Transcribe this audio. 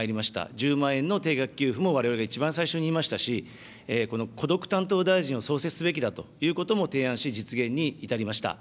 １０万円の定額給付もわれわれが一番最初に言いましたし、この孤独担当大臣を創設すべきだということも提案し、実現に至りました。